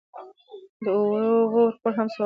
د اوبو ورکول هم ثواب لري.